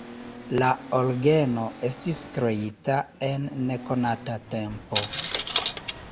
La orgeno estis kreita en nekonata tempo.